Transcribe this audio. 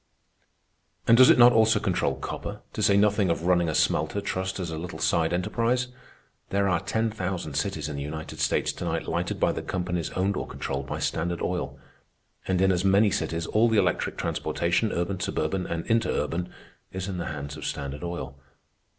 And does it not also control copper, to say nothing of running a smelter trust as a little side enterprise? There are ten thousand cities in the United States to night lighted by the companies owned or controlled by Standard Oil, and in as many cities all the electric transportation,—urban, suburban, and interurban,—is in the hands of Standard Oil.